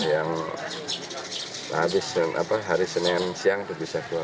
yang habis hari senin siang itu bisa keluar